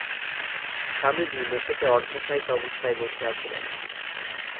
স্বামীজী মেজেতে অর্ধ-শায়িত অবস্থায় বসিয়াছিলেন।